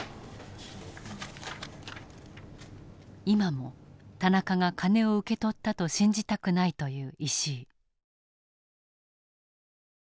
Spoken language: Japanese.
今も田中が金を受け取ったと信じたくないという石井。